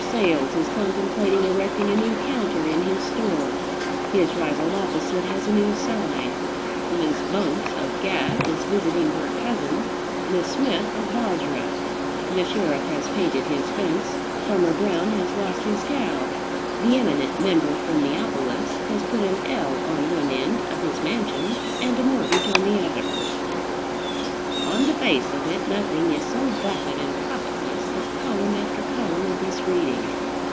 Sales is contemplating erecting a new counter in his store; his rival opposite has a new sign; Miss Bumps of Gath is visiting her cousin, Miss Smith of Bozrah; the sheriff has painted his fence; Farmer Brown has lost his cow; the eminent member from Neopolis has put an ell on one end of his mansion, and a mortgage on the other. On the face of it nothing is so vapid and profitless as column after column of this reading.